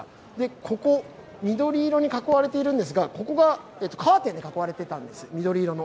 ここ、緑色に囲われているんですがここがカーテンで囲われていたんです、緑色の。